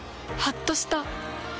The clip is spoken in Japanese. はっとした。